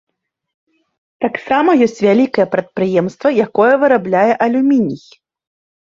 Таксама ёсць вялікае прадпрыемства, якое вырабляе алюміній.